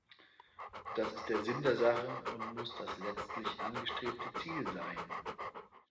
Das ist der Sinn der Sache und muss das letztlich angestrebte Ziel sein.